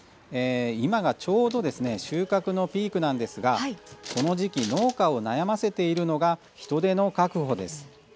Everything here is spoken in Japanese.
今がちょうど収穫のピークですがこの時期、農家を悩ませているのが人手の確保です。